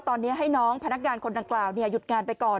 ตอนนี้ให้น้องพนักงานคนดังกล่าวหยุดงานไปก่อน